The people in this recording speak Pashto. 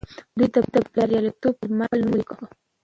دوی د بریالیتوب پر لمر خپل نوم ولیکه.